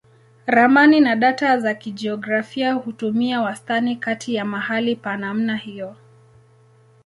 Ramani na data za kijiografia hutumia wastani kati ya mahali pa namna hiyo.